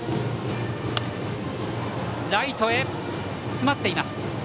ライト、詰まっています。